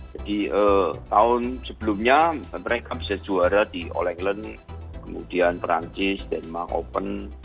jadi tahun sebelumnya mereka bisa juara di all england kemudian prancis denmark open